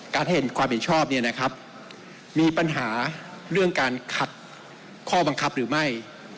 การเห็นความเป็นชอบมีปัญหาเรื่องการขัดข้อบังคับหรือไม่